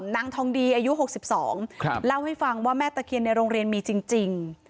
นางทองดีอายุ๖๒เล่าให้ฟังว่าแม่ตะเคียนในโรงเรียนมีจริง